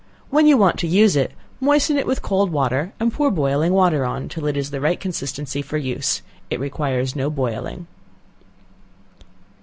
When you want to use it, moisten it with cold water and pour boiling water on, till it is the right consistency for use. It requires no boiling.